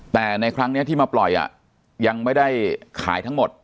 แต่ในครั้งนี้ที่มาปล่อยยังไม่ได้ขายทั้งหมด